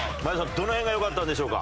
どの辺が良かったんでしょうか？